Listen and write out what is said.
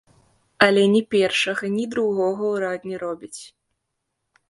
Але ні першага, ні другога ўрад не робіць.